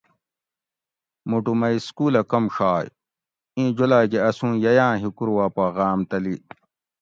مُوٹو مئی سکولہ کم ڛائے؟ اِیں جولاۤگہ اسوں ییاۤں ہِکور وا پا غاۤم تلی